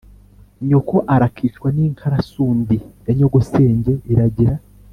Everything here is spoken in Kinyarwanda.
nyoko arakicwa n'inkarasundi ya nyogosenge iragira